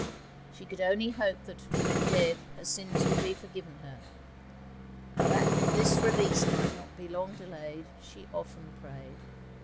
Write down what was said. She could only hope that, when dead, her sins would be forgiven her; and that this release might not be long delayed she often prayed.